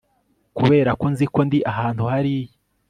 kuberako nzi ko ndi ahantu hariya